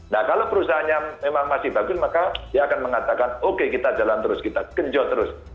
nah kalau perusahaannya memang masih bagus maka dia akan mengatakan oke kita jalan terus kita genjot terus